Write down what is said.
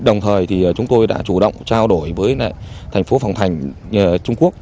đồng thời thì chúng tôi đã chủ động trao đổi với thành phố phòng thành trung quốc